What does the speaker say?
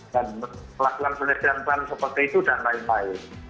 dan pelakuan penelitian tanah seperti itu dan lain lain